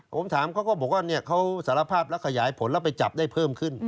ผมถามเขาก็บอกว่าเขาสารภาพแล้วขยายผลแล้วไปจับได้เพิ่มขึ้น